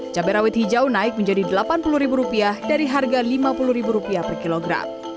cabai rawit hijau naik menjadi rp delapan puluh dari harga rp lima puluh per kilogram